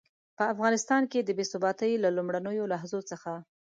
په افغانستان کې د بې ثباتۍ له لومړنيو لحظو څخه.